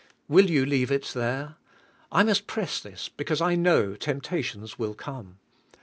Will you leave it there? I must press this, because I know temp tations will come.